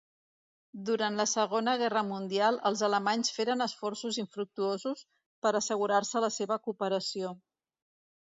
Durant la segona guerra mundial els alemanys feren esforços infructuosos per assegurar-se la seva cooperació.